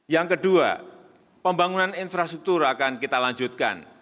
yang kedua pembangunan infrastruktur akan kita lanjutkan